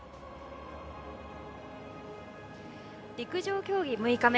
陸上競技６日目。